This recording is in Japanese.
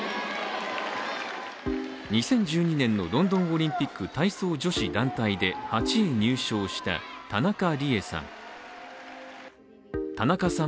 ２０１２年のロンドンオリンピック体操女子団体で８位入賞した田中理恵さん。